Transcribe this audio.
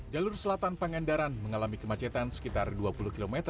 jalur selatan pangandaran mengalami kemacetan sekitar dua puluh km